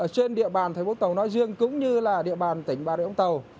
trên địa bàn thành phố vũng tàu nói riêng cũng như địa bàn tỉnh bãi vũng tàu